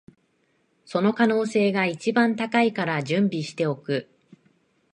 その可能性が一番高いから準備しておく